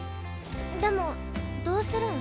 でもどうするん？